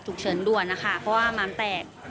ถูกเสริมรวมนะคะเพราะว่าม้ามแตก